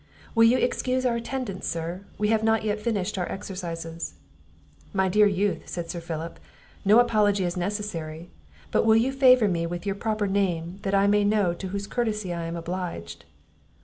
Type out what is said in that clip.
"Will you excuse our attendance, Sir? We have not yet finished our exercises." "My dear youth," said Sir Philip, "no apology is necessary; but will you favour me with your proper name, that I may know to whose courtesy I am obliged?"